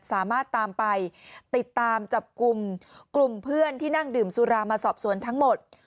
สามารถตามไปติดตามจับกลุ่มกลุ่มเพื่อนที่นั่งดื่มสุรามาสอบสวนทั้งหมด